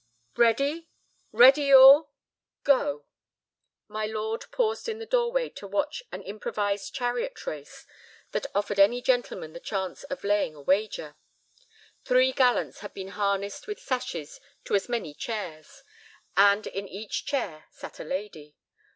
"Ready—ready all. Go!" My lord paused in the doorway to watch an improvised chariot race that offered any gentleman the chance of laying a wager. Three gallants had been harnessed with sashes to as many chairs, and in each chair sat a lady.